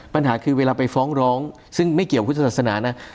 ปัญหาคือเวลาไปฟ้องร้องซึ่งไม่เกี่ยวพุทธศาสนานะ